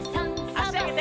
あしあげて。